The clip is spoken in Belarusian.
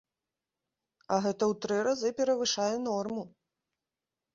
А гэта ў тры разы перавышае норму!